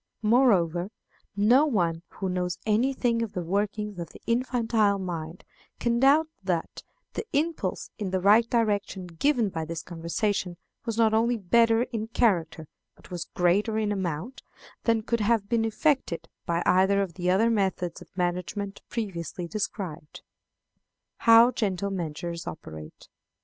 Moreover, no one who knows any thing of the workings of the infantile mind can doubt that the impulse in the right direction given by this conversation was not only better in character, but was greater in amount, than could have been effected by either of the other methods of management previously described. How Gentle Measures operate.